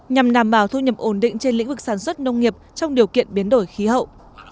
nhằm đảm bảo thu nhập ổn định trên lĩnh vực sản xuất nông nghiệp trong điều kiện biến đổi khí hậu